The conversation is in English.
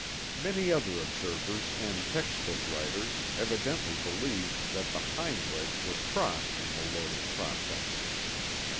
Many other observers and textbook writers evidently believed that the hind legs were crossed in the loading process.